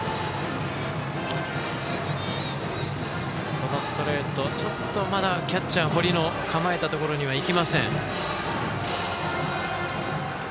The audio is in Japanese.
そのストレートちょっとまだキャッチャー、堀の構えたところにはいきません。